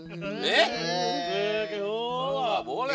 nggak boleh apaan